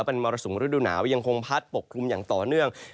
เป็นมรสุมฤดูหนาวยังคงพัดปกคลุมอย่างต่อเนื่อง